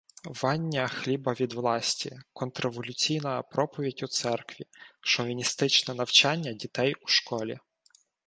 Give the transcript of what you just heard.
вання хліба від власті", "контрреволюційна проповідь у церкві", "шовіністичне навчання дітей у школі".